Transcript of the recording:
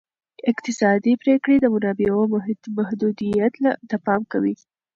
اقتصادي پریکړې د منابعو محدودیت ته پام کوي.